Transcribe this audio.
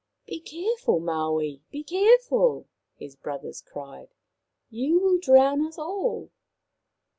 " Be careful, Maui. Be careful," his brothers cried. " You will drown us all."